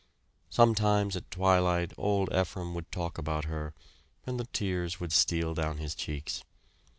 Sometimes at twilight old Ephraim would talk about her, and the tears would steal down his cheeks.